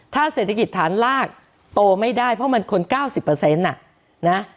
ถ้าเศรษฐกิจฐานลากโตไม่ได้เพราะมันคน๙๐อ่ะนะ